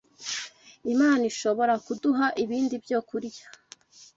Imana ishobora kuduha ibindi byokurya